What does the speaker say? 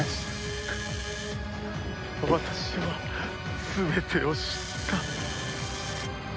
私は全てを知った。